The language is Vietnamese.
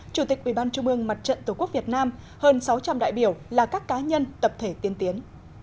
chủ tịch ubnd mặt trận tổ quốc việt nam hơn sáu trăm linh đại biểu là các cá nhân tập thể tiên tiến